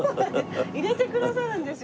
入れてくださるんですよ。